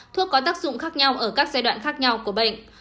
thuốc có tác dụng khác nhau ở các giai đoạn khác nhau của bệnh